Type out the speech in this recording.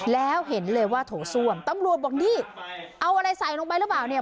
แล้วเห็นเลยว่าโถส้วมตำรวจบอกนี่เอาอะไรใส่ลงไปหรือเปล่าเนี่ย